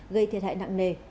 gây thiệt hại nặng nề